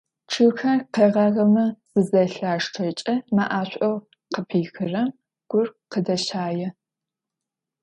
Чъыгхэр къэгъагъэмэ зызэлъаштэкӏэ, мэӏэшӏоу къапихырэм гур къыдещае.